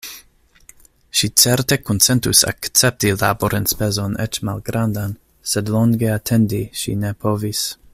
Ŝi certe konsentus akcepti laborenspezon eĉ malgrandan, sed longe atendi ŝi ne povis.